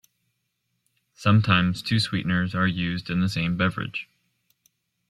Sometimes two sweeteners are used in the same beverage.